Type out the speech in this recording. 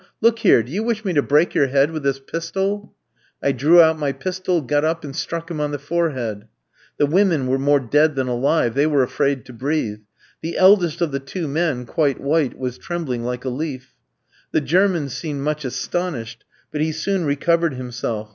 Look here; do you wish me to break your head with this pistol?' "I drew out my pistol, got up, and struck him on the forehead. The women were more dead than alive; they were afraid to breathe. The eldest of the two men, quite white, was trembling like a leaf. "The German seemed much astonished. But he soon recovered himself.